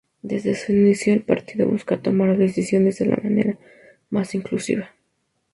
Desde su inicio, el partido busca tomar decisiones de la manera más inclusiva.